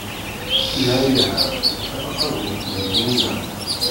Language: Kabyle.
Iha, iha a taqabubt n tnina.